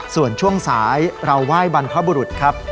ส่วนช่วงสายเราไหว้บรรพบุรุษครับ